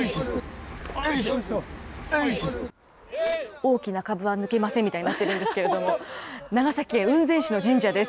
大きなかぶは抜けませんみたいになってるんですけど、長崎・雲仙市の神社です。